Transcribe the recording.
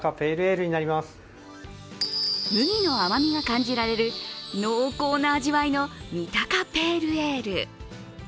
麦の甘みが感じられる濃厚な味わいの三鷹ペールエール。